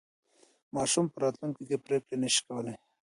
ماشوم په راتلونکي کې پرېکړې نه شي کولای.